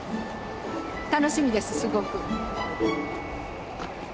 楽しみですすごく。